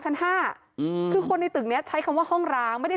ชั้นห้าอืมคือคนในตึกเนี้ยใช้คำว่าห้องร้างไม่ได้